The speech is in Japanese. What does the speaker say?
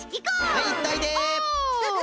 はいいっといで。